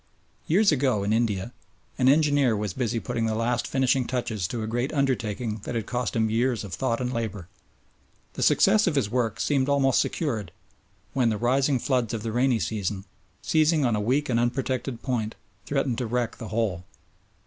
Years ago, in India, an engineer was busy putting the last finishing touches to a great undertaking that had cost him years of thought and labour. The success of his work seemed almost secured when the rising floods of the rainy season, seizing on a weak and unprotected point, threatened to wreck the whole.